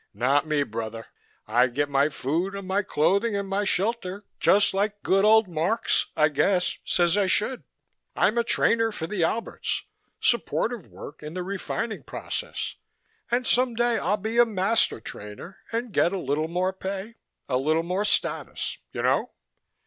"Not me, brother. I get my food and my clothing and my shelter, just like good old Marx, I guess, says I should. I'm a trainer for the Alberts, supportive work in the refining process, and some day I'll be a master trainer and get a little more pay, a little more status, you know?"